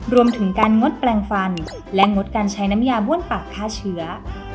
รวมถึงการงดแปลงฟันและงดการใช้น้ำยาบ้วนปากฆ่าเชื้อ